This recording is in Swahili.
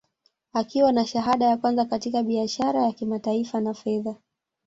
Akiwa na shahada ya kwanza katika biashara ya kimataifa na fedha